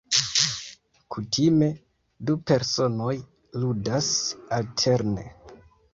Kutime, du personoj ludas alterne.